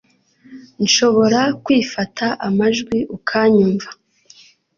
Nshobora kwifata amajwi ukanyumva